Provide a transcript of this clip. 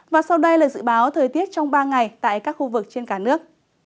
và sau đây là dự báo thời tiết trong ba ngày tại các khu vực trên cả nước